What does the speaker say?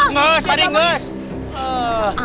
mas pak rt mas